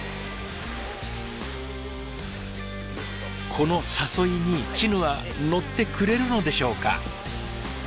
この誘いにチヌは乗ってくれるのでしょうか？